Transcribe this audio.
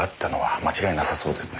間違いなさそうですね。